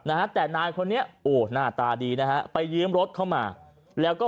นะฮะแต่นายคนนี้โอ้หน้าตาดีนะฮะไปยืมรถเข้ามาแล้วก็